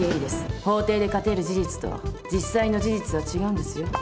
法廷で勝てる事実と実際の事実は違うんですよ。